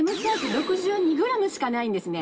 ６２ｇしかないんですね。